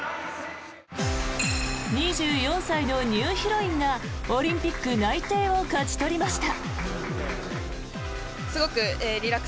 ２４歳のニューヒロインがオリンピック内定を勝ち取りました。